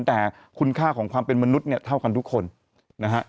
แต่คุณค่าของความเป็นมนุษย์เนี่ยเท่ากันทุกคนนะฮะ